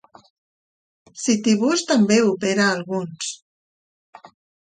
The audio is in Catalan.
Citybus també opera alguns.